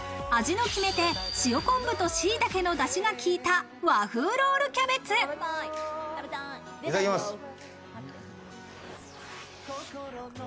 味の決め手、塩こんぶとしいたけのだしが効いた和風ロールキャベいただきます。